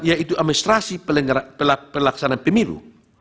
yaitu administrasi pelaksanaan pemilu